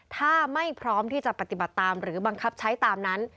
ถ้าไม่พร้อมที่จะปฏิบัติตามหรือบังคับใช้ตามนั้น